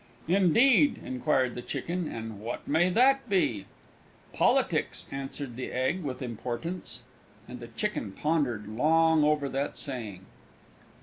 "Indeed," inquired the Chicken, "and what may that be?" "Politics!" answered the Egg with importance. And the Chicken pondered long over that saying.